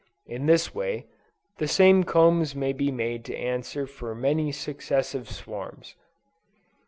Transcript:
In this way, the same combs may be made to answer for many successive swarms.